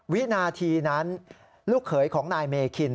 วินาทีนั้นลูกเขยของนายเมคิน